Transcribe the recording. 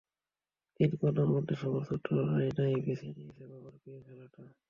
তিন কন্যার মধ্যে সবার ছোট রায়নাই বেছে নিয়েছে বাবার প্রিয় খেলাটা।